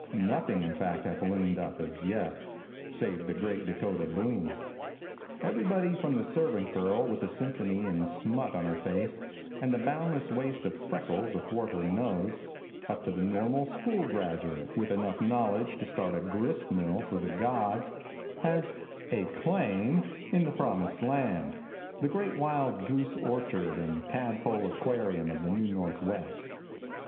Nothing in fact hath loomed up, as yet, save the great Dakota boom. Everybody, from the servant girl with the symphony in smut on her face and the boundless waste of freckles athwart her nose, up to the normal school graduate, with enough knowledge to start a grist mill for the gods, has "a claim" in the promised land, the great wild goose orchard and tadpole aquarium of the new Northwest.